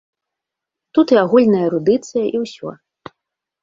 Тут і агульная эрудыцыя, і ўсё.